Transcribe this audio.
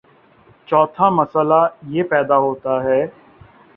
چوتھا مسئلہ یہ پیدا ہوتا ہے